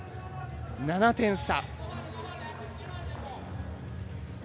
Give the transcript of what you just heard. ７点差。